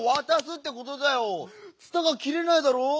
つたがきれないだろう？